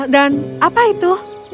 dan apa itu